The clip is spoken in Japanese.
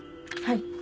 はい。